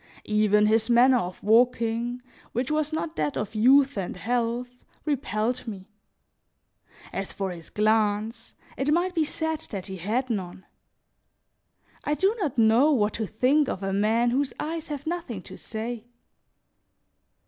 Even his manner of walking, which was not that of youth and health, repelled me; as for his glance, it might be said that he had none. I do not know what to think of a man whose eyes have nothing to say.